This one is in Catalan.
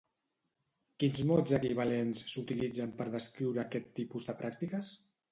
Quins mots equivalents s'utilitzen per descriure aquest tipus de pràctiques?